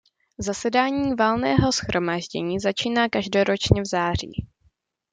Zasedání Valného shromáždění začíná každoročně v září.